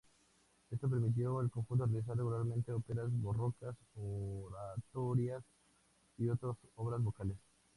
Esto permitió al conjunto realizar regularmente óperas barrocas, oratorios y otras obras vocales.